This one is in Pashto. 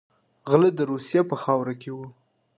غله د روسیې په خاوره کې وو.